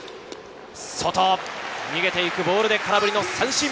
外、逃げていくボールで空振り三振。